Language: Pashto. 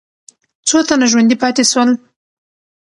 څو تنه ژوندي پاتې سول؟